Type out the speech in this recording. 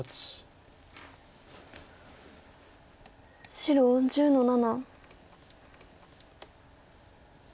白１０の七。